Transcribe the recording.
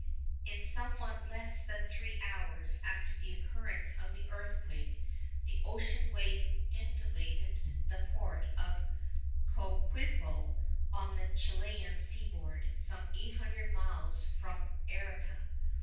In somewhat less than three hours after the occurrence of the earthquake, the ocean wave inundated the port of Coquimbo, on the Chilian seaboard, some 800 miles from Arica.